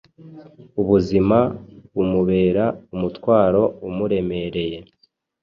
ubuzima bumubera umutwaro umuremereye.